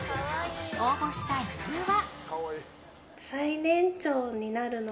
応募した理由は。